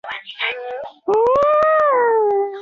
也有当杂志发型模特儿的经验。